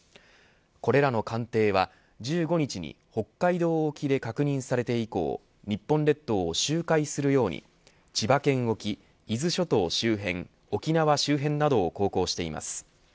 これらの艦艇は１５日に北海道沖で確認されて以降日本列島を周回するように千葉県沖、伊豆諸島周辺沖縄周辺などを航行しています。